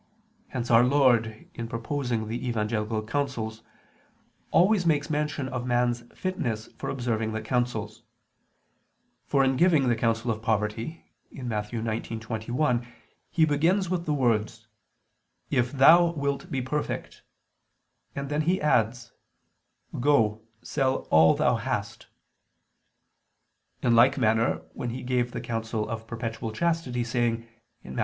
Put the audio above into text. Hence Our Lord, in proposing the evangelical counsels, always makes mention of man's fitness for observing the counsels. For in giving the counsel of perpetual poverty (Matt. 19:21), He begins with the words: "If thou wilt be perfect," and then He adds: "Go, sell all [Vulg.: 'what'] thou hast." In like manner when He gave the counsel of perpetual chastity, saying (Matt.